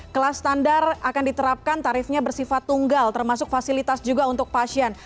kelas standar akan diterapkan tarifnya bersifat tunggal termasuk fasilitas juga untuk pasien